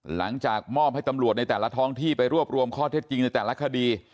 หลังจากมอบให้ตำรวจในแต่ละท้องที่ไปรวบรวมข้อเท็จจริงในแต่ละคดี